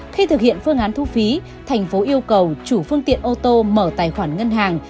khi thực hiện phương án thu phí thành phố yêu cầu chủ phương tiện ô tô mở tài khoản ngân hàng